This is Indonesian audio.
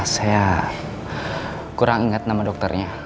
saya kurang ingat nama dokternya